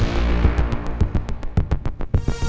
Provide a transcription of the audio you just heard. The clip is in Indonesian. saya mau ke rumah